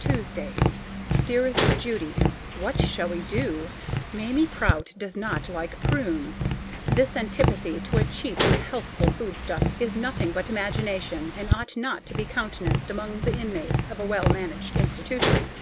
Tuesday. Dearest Judy: What shall we do? Mamie Prout does not like prunes. This antipathy to a cheap and healthful foodstuff is nothing but imagination, and ought not to be countenanced among the inmates of a well managed institution.